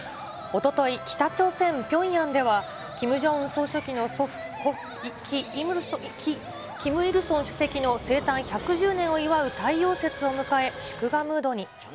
おととい、北朝鮮・ピョンヤンでは祖父、故・キム・イルソン主席の生誕１１０年を祝う太陽節を迎え、祝賀ムードに。